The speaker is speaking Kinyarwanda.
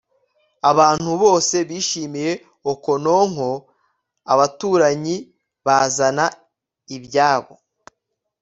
abantu bose bashimiye okonkwo abaturanyi bazana ibyabo